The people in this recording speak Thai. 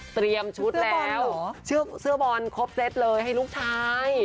เตรียมชุดแล้วเสื้อบอลเหรอเสื้อบอลครบเซตเลยให้ลูกใช้